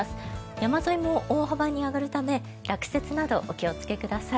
山沿いも大幅に上がるため落雪などお気をつけください。